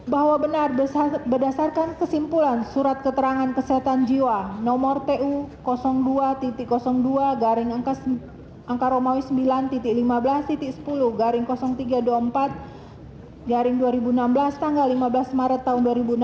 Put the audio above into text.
bahwa benar berdasarkan kesimpulan surat keterangan kesehatan jiwa nomor tu dua dua angka romawi sembilan lima belas sepuluh tiga ratus dua puluh empat dua ribu enam belas tanggal lima belas maret tahun dua ribu enam belas